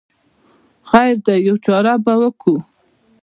خیر دی یوه چاره به وکړو.